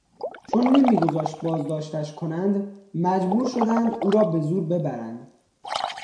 چون نمیگذاشت بازداشتش کنند مجبور شدند او را به زور ببرند.